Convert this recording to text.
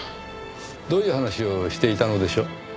どういう話をしていたのでしょう？